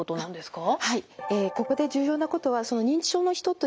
はい。